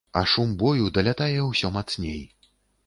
А шум бою далятае ўсё мацней.